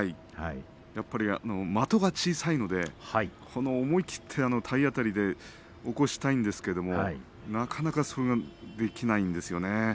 やっぱり的が小さいので思い切って体当たりで起こしたいんですけれどなかなかそれができないんですよね。